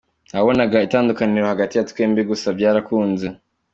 Nta wabonaga itandukaniro hagati ya twembi gusa byarakunze.